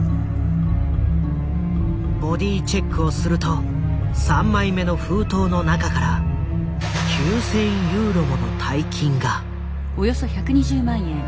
ボディーチェックをすると３枚目の封筒の中から９，０００ユーロもの大金が。